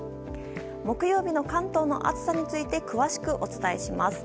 木曜日の関東の暑さについて詳しくお伝えします。